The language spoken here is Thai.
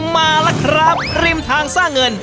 มาแล้วครับริมทางสร้างเงิน